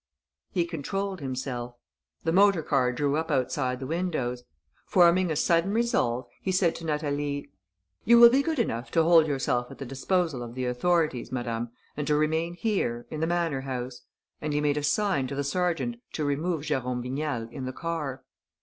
He controlled himself. The motor car drew up outside the windows. Forming a sudden resolve, he said to Natalie: "You will be good enough to hold yourself at the disposal of the authorities, madame, and to remain here, in the manor house...." And he made a sign to the sergeant to remove Jérôme Vignal in the car.